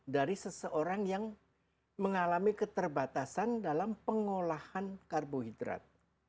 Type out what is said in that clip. dari seseorang yang mengalami keterbatasan dalam pengolahan karbohidrat